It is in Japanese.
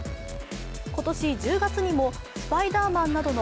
今年１０月にも、スパイダーマンなどの